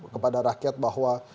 kepada rakyat bahwa